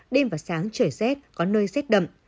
đêm và sáng trời rét có nơi rét đậm